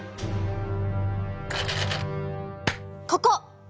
ここ。